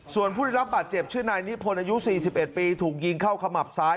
ส่วนผู้ได้รับบาดเจ็บชื่อนายนิพนธ์อายุ๔๑ปีถูกยิงเข้าขมับซ้าย